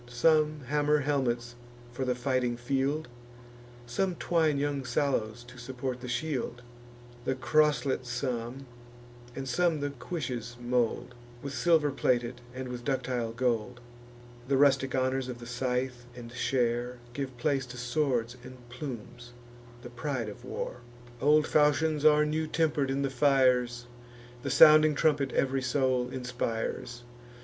Some hammer helmets for the fighting field; Some twine young sallows to support the shield; The croslet some, and some the cuishes mould, With silver plated, and with ductile gold. The rustic honours of the scythe and share Give place to swords and plumes, the pride of war. Old falchions are new temper'd in the fires; The sounding trumpet ev'ry soul inspires.